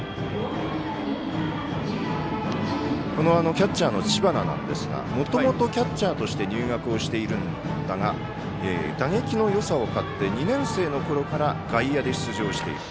キャッチャーの知花ですがもともとキャッチャーとして入学をしていたんですが打撃のよさを買って２年生のころから外野で出場している。